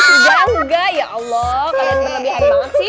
sudah nggak ya allah kalian terlebih hari banget sih